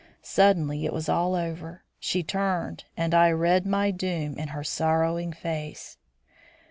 Suddenly it was all over. She turned and I read my doom in her sorrowing face.